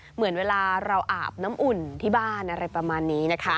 เหมือนเวลาเราอาบน้ำอุ่นที่บ้านอะไรประมาณนี้นะคะ